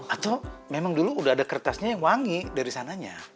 atau memang dulu udah ada kertasnya yang wangi dari sananya